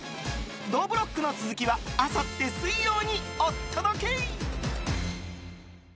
どぶろっくの続きはあさって水曜にお届け！